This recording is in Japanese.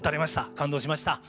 感動しました。